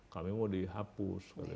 kami mau dihapus